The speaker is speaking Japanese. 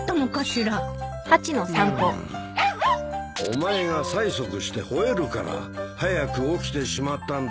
お前が催促して吠えるから早く起きてしまったんだぞ。